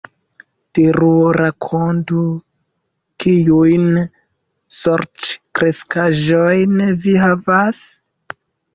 Diru, rakontu, kiujn sorĉkreskaĵojn vi havas?